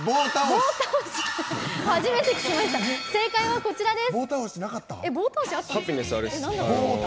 正解は、こちらです。